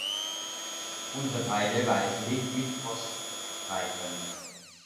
Unterteile weißlich mit Roststreifen.